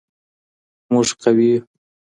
موږ قوي يو.